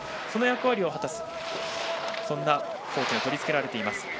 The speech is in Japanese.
その役割を果たす装具も取り付けられています。